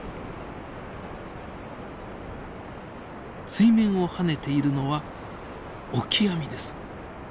水面を跳ねているのはオキアミです。